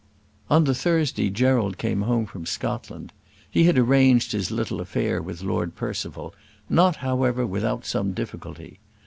On the Thursday Gerald came home from Scotland. He had arranged his little affair with Lord Percival, not however without some difficulty.